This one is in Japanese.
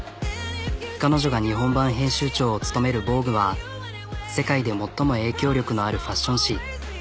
彼女が日本版編集長を務めるは世界で最も影響力のあるファッション誌。